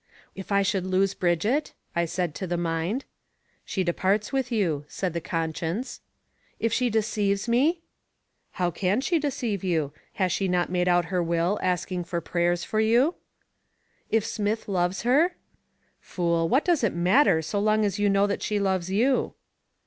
"If I should lose Brigitte?" I said to the mind. "She departs with you," said the conscience. "If she deceives me?" "How can she deceive you? Has she not made out her will asking for prayers for you?" "If Smith loves her?" "Fool! What does it matter so long as you know that she loves you?"